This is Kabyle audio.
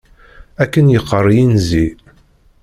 Akken yeqqaṛ yinzi.